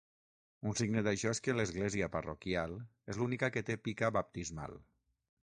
Un signe d'això és que l'església parroquial és l'única que té pica baptismal.